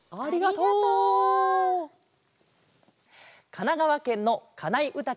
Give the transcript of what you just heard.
かながわけんのかないうた